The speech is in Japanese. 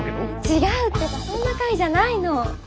違うってばそんな会じゃないの。